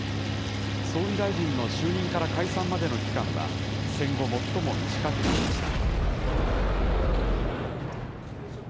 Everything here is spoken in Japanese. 総理大臣の就任から解散までの期間は、戦後最も短くなりました。